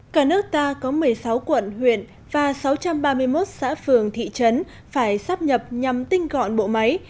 cả nước ta có một mươi sáu quận huyện và sáu trăm ba mươi một xã phường thị trấn phải sắp nhập nhằm tinh gọn bộ máy